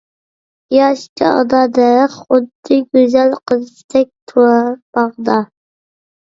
ياش چاغدا دەرەخ خۇددى گۈزەل قىزدەك تۇرار باغدا.